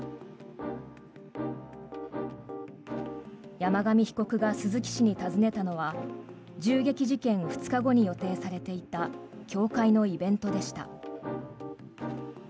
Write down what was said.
山上被告が鈴木氏に尋ねたのは銃撃事件２日後に予定されていた教会のイベントでした。